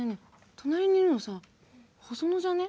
隣にいるのさホソノじゃね？